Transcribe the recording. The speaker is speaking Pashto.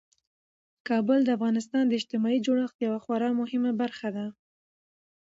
کابل د افغانستان د اجتماعي جوړښت یوه خورا مهمه برخه ده.